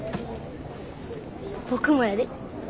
僕もやで。